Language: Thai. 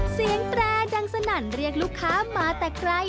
เสียงแตรดังสนันเรียกลูกค้ามาแต่ใกล้